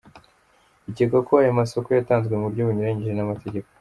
Bikekwa ko ayo masoko yatanzwe mu buryo bunyuranyije n’amategeko.